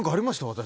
私。